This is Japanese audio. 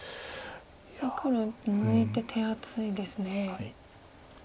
さあ黒抜いて手厚いですね。